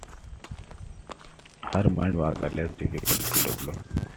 Her mind was less difficult to develop.